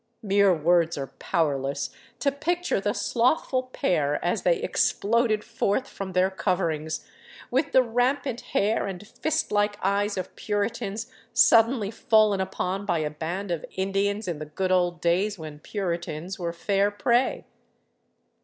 Mere words are powerless to picture the slothful pair as they exploded forth from their coverings, with the rampant hair and fist like eyes of Puritans suddenly fallen upon by a band of Indians in the good old days when Puritans were fair prey.